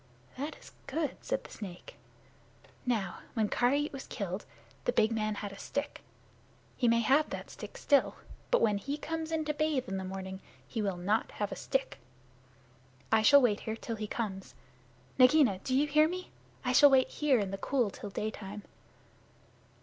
"That is good," said the snake. "Now, when Karait was killed, the big man had a stick. He may have that stick still, but when he comes in to bathe in the morning he will not have a stick. I shall wait here till he comes. Nagaina do you hear me? I shall wait here in the cool till daytime."